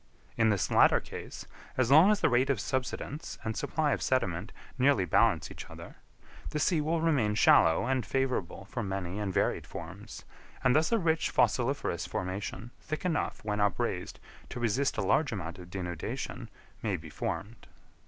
In this latter case, as long as the rate of subsidence and supply of sediment nearly balance each other, the sea will remain shallow and favourable for many and varied forms, and thus a rich fossiliferous formation, thick enough, when upraised, to resist a large amount of denudation, may be formed.